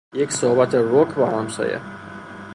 یک صحبت رک با همسایه